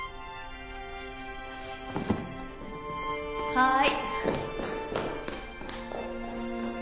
はい。